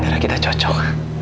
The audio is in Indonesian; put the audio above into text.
darah kita cocok